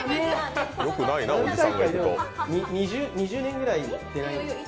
２０年ぐらい行ってないけど。